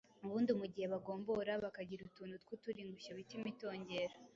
Ubundu mu gihe bagombora bakagira utuntu tw’uturingushyo bita imitongero.